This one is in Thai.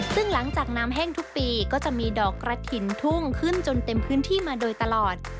ซึ่งหลังจากน้ำแห้งทุกปีก็จะมีดอกกระถิ่นทุ่งขึ้นจนเต็มพื้นที่มาโดยตลอด